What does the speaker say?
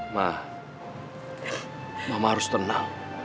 ma mama harus tenang